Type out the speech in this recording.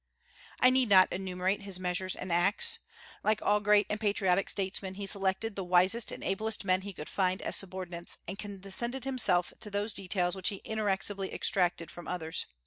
I need not enumerate his measures and acts. Like all great and patriotic statesmen he selected the wisest and ablest men he could find as subordinates, and condescended himself to those details which he inexorably exacted from others.